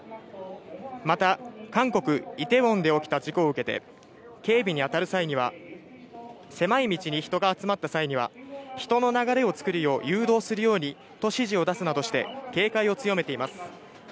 また韓国・イテウォンで起きた事故を受けて、警備に当たる際には、狭い道に人が集まった際には、人の流れを作るよう誘導するようにと指示を出すなどして、警戒を強めています。